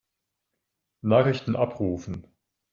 Nachrichten abrufen.